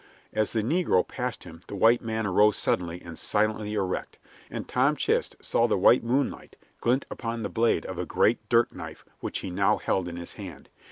As the negro passed him the white man arose suddenly and silently erect, and Tom Chist saw the white moonlight glint upon the blade of a great dirk knife which he now held in his hand.